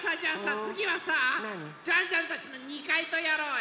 つぎはさジャンジャンたちの２かいとやろうよ。